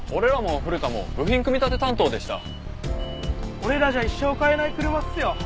俺らじゃ一生買えない車っすよ。